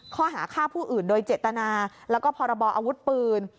ข้อหาฆ่าผู้อื่นโดยเจตนาแล้วก็พรบออาวุธปืน